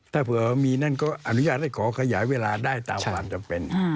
ถ้าเผื่อมีนั่นก็อนุญาตให้ขอขยายเวลาได้ตามความจำเป็น